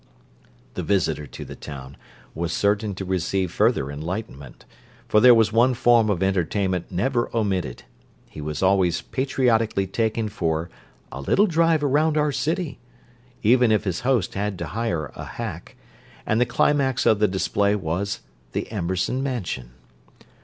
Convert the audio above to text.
The visitor to the town was certain to receive further enlightenment, for there was one form of entertainment never omitted: he was always patriotically taken for "a little drive around our city," even if his host had to hire a hack, and the climax of the display was the Amberson Mansion.